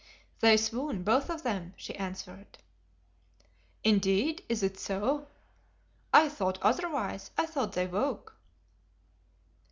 "They swoon, both of them," she answered. "Indeed, is it so? I thought otherwise. I thought they woke."